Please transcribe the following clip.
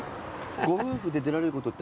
ご夫婦で出られることって。